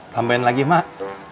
sampaikan lagi mak